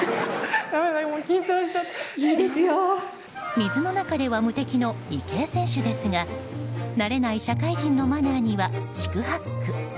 水の中では無敵の池江選手ですが慣れない社会人のマナーには四苦八苦。